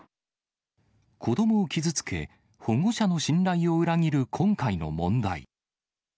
子どもを傷つけ、保護者の信頼を裏切る今回の問題。